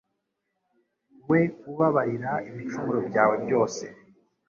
We ubabarira ibicumuro byawe byose